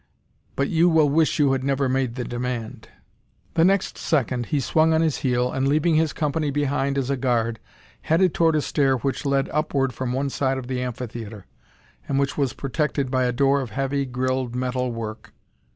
But you will wish you had never made the demand!" The next second he swung on his heel, and leaving his company behind as a guard, headed toward a stair which led upward from one side of the amphitheatre, and which was protected by a door of heavy, grilled metal work.